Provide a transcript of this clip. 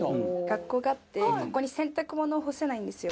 学校があってここに洗濯物を干せないんですよ。